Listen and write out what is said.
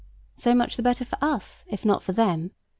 So much the better for us, if not for them.